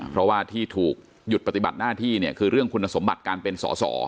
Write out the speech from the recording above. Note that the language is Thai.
เพราะว่าที่ถูกหยุดปฏิบัติหน้าที่เนี่ยคือเรื่องคุณสมบัติการเป็นสอสอ